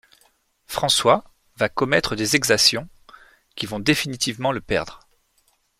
François va commettre des exactions qui vont définitivement le perdre.